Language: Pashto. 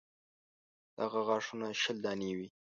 دغه غاښونه شل دانې وي.